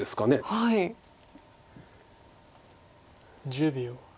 １０秒。